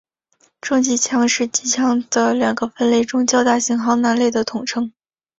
重机枪是机枪的两个分类中较大型号那类的统称。